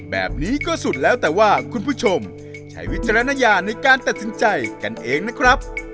แบบนี้ก็สุดแล้วแต่ว่าคุณผู้ชมใช้วิจารณญาณในการตัดสินใจกันเองนะครับ